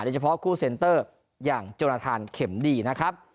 เฉพาะคู่เซ็นเตอร์อย่างจนทานเข็มดีนะครับ